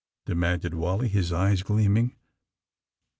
demanded Wally, his eyes gleaming.